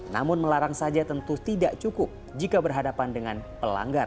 namun melarang saja tentu tidak cukup jika berhadapan dengan pelanggar